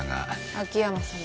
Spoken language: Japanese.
秋山さま